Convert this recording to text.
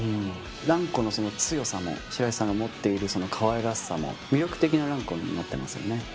蘭子の強さも白石さんが持っているそのかわいらしさも、魅力的な蘭子になってますよね。